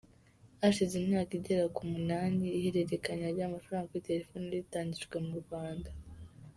Hashize imyaka igera ku munani ihererekanya ry’amafaranga kuri telefone ritangijwe mu Rwanda.